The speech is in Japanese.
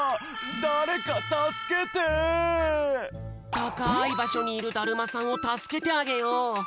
たかいばしょにいるだるまさんをたすけてあげよう！